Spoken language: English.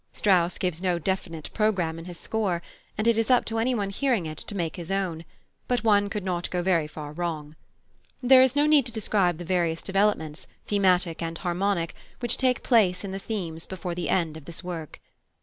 Strauss gives no definite programme in his score, and it is up to anyone hearing it to make his own; but one could not go very far wrong. There is no need to describe the various developments, thematic and harmonic, which take place in the themes before the end of this work.